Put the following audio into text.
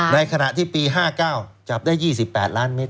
ในขณะที่ปี๕๙จับได้๒๘ล้านเมตร